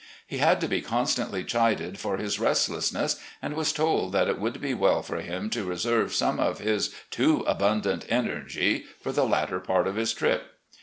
He had to be constantly chided for his restlessness, and was told that it would be well for him to reserve some of his too abundant energy for the latter part of his trip.